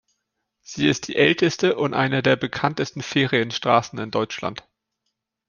Sie ist die älteste und eine der bekanntesten Ferienstraßen in Deutschland.